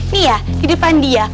nih ya di depan dia